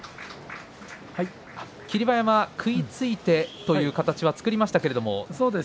霧馬山、食いついてという形は作りましたけれども。